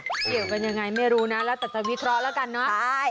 เกี่ยวกันยังไรไม่รู้นะตอนนี้จะวิทยาละกันนะ